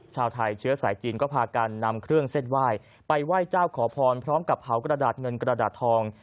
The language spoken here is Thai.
ชาวไทยเชื้อสายจีนก็พากันนำเครื่องเส้นไหว้ไปไหว้เจ้าขอพรพร้อมกับเผากระดาษเงินกระดาษทอง